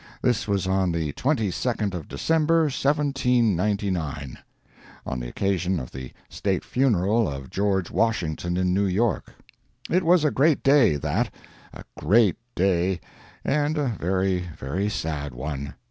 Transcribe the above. This was on the 22d of December, 1799, on the occasion of the state funeral of George Washington in New York. It was a great day, that—a great day, and a very, very sad one.